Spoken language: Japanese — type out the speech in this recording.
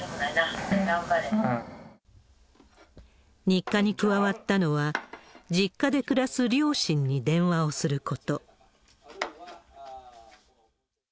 日課に加わったのは、実家で暮らす両親に電話をすること。